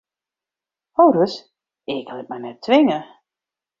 Ho ris, ik lit my net twinge!